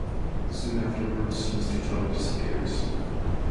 Soon afterwards, Mr. Tuttle disappears.